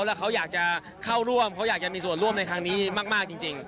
แล้วเขาอยากจะเข้าร่วมเขาอยากจะมีส่วนร่วมในครั้งนี้มากจริง